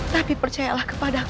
tapi percayalah kepadaku